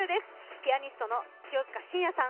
ピアニストの清塚信也さん